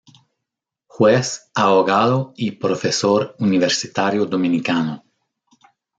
Juez, Abogado y Profesor universitario dominicano.